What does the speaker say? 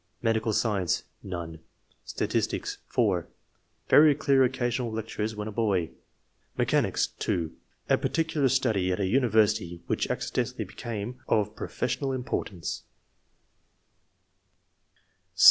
Medical Science. — ^None. Statistics. — (4) Very clear occasional lectures when a boy. Mechanics* — (2) A particular study at a university, which accidentally became of pro fessional importance.